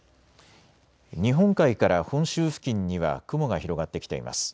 日本海から本州付近には雲が広がってきています。